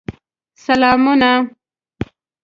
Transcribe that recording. سلامونه